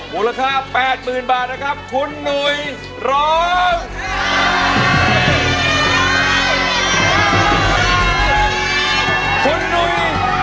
มูลค่า๘๐๐๐๐บาทคุณหนุยร้อง